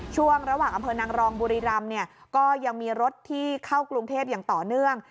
ช่วงระหว่างอำเภอนางรองบุรีรำเนี่ยก็ยังมีรถที่เข้ากรุงเทพอย่างต่อเนื่อง